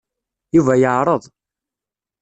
Yuba yeɛreḍ.